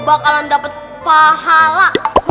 bakalan dapat pahala